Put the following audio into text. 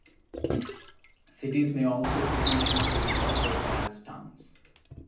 Cities may also petition to incorporate as towns.